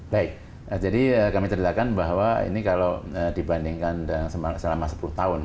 baik jadi kami ceritakan bahwa ini kalau dibandingkan selama sepuluh tahun